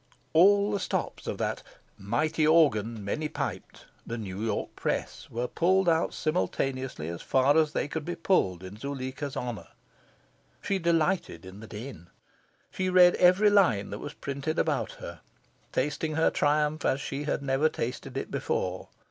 All the stops of that "mighty organ, many piped," the New York press, were pulled out simultaneously, as far as they could be pulled, in Zuleika's honour. She delighted in the din. She read every line that was printed about her, tasting her triumph as she had never tasted it before.